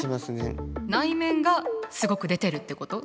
内面がすごく出てるってこと？